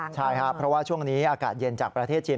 ใช่ครับเพราะว่าช่วงนี้อากาศเย็นจากประเทศจีน